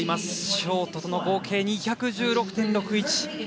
ショートとの合計２１６．６１。